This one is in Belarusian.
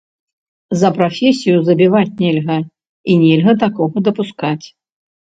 За прафесію забіваць нельга, і нельга такога дапускаць.